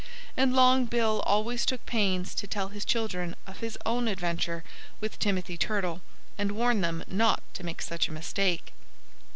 And Long Bill always took pains to tell his children of his own adventure with Timothy Turtle and warn them not to make such a mistake.